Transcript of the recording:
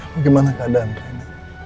bagaimana keadaan rena